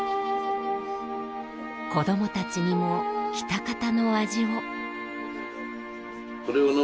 子どもたちにも喜多方の味を。